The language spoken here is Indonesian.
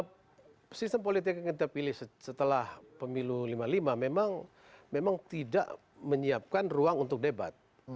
karena sistem politik yang kita pilih setelah pemilu lima puluh lima memang tidak menyiapkan ruang untuk debat